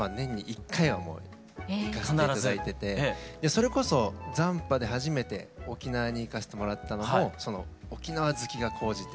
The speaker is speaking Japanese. それこそ斬波で初めて沖縄に行かせてもらったのも沖縄好きが高じて。